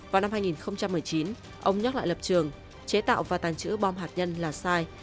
vào năm hai nghìn một mươi chín ông nhắc lại lập trường chế tạo và tàng trữ bom hạt nhân là sai